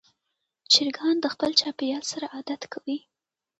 چرګان د خپل چاپېریال سره عادت کوي.